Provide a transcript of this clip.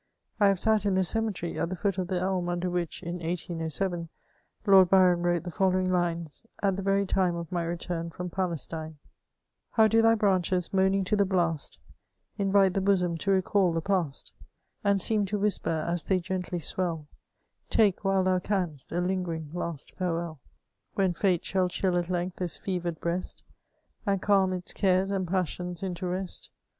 I have sat in the cemetery, at the foot of the elm under which, in 1807, Lord Byron wrote the following lines, at the very time of my return from Pales tine :— How do thy branches, moaning to the blast, Invite the bosom to recal the past, And seem to whisper, as they gently swell, '* Take, while thou canst, a lingering last fareweU." When fate shall chill at length this fever'd breast. And calm its cares and passions into rest.